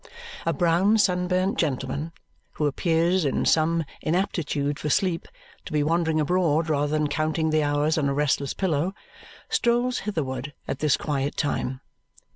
A brown sunburnt gentleman, who appears in some inaptitude for sleep to be wandering abroad rather than counting the hours on a restless pillow, strolls hitherward at this quiet time.